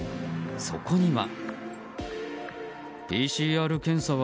そこには。